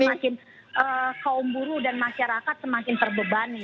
itu kita semakin kaum buruh dan masyarakat semakin terbebani